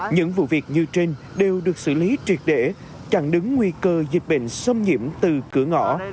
những vụ việc như trên đều được xử lý triệt để chặn đứng nguy cơ dịch bệnh xâm nhiễm từ cửa ngõ